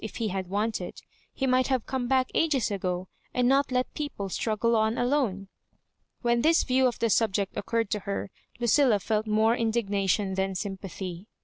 133 if he had wanted, he might have come back ages ago, and not let people struggle on alone." When this view of the subject occurred to her, Lucilla felt more indignation than sympathy.